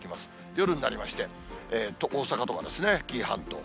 夜になりまして、大阪とかですね、紀伊半島。